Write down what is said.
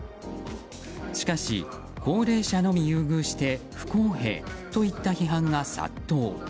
しかし、高齢者のみ優遇して不公平といった批判が殺到。